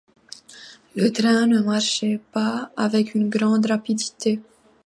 Le train ne marchait pas avec une grande rapidité.